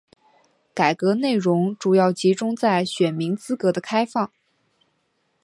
改革内容主要集中在选民资格的开放。